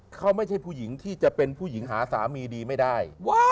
เขาไม่ใช่ผู้หญิงที่จะเป็นผู้หญิงหาสามีดีไม่ได้